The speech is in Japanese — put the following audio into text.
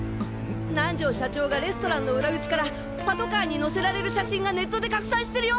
南條社長がレストランの裏口からパトカーに乗せられる写真がネットで拡散してるよ！